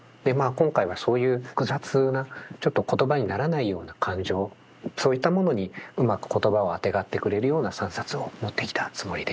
今回はそういう複雑なちょっと言葉にならないような感情そういったものにうまく言葉をあてがってくれるような３冊を持ってきたつもりです。